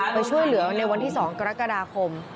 ไปช่วยเหลือในวันที่๒กรกฎาคม